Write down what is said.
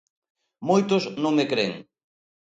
Moitos non me cren;